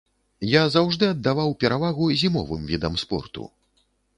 Я заўжды аддаваў перавагу зімовым відам спорту.